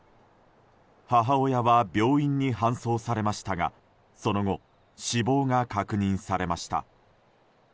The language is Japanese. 母親は病院に搬送されましたがその後、死亡が確認されました。